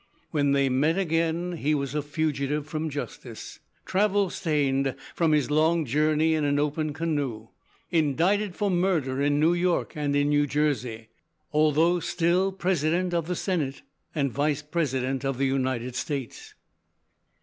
When they met again, he was a fugitive from justice, travel stained from his long journey in an open canoe, indicted for murder in New York, and in New Jersey, although still President of the Senate, and Vice President of the United States.